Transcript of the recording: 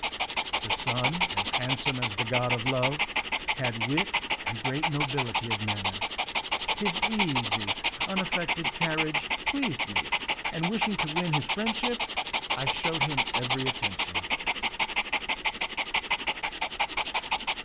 The son, as handsome as the god of love, had wit and great nobility of manner. His easy, unaffected carriage pleased me, and wishing to win his friendship I shewed him every attention.